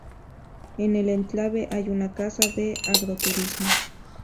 En el enclave hay una casa de agroturismo.